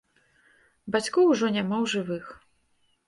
Бацькоў ужо няма ў жывых.